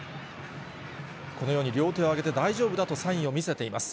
このように両手を上げて大丈夫だとサインを見せています。